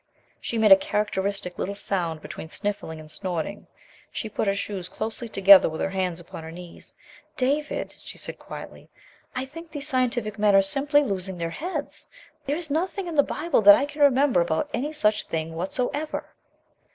She made a characteristic little sound between sniffling and snorting. She put her shoes closely together, with her hands upon her knees. "David," she said quietly, "I think these scientific men are simply losing their heads. There is nothing in the Bible that I can remember about any such thing whatsoever."